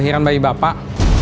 akhiran bayi bapak